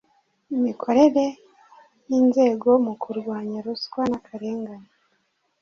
Imikorere y inzego mu kurwanya ruswa n akarengane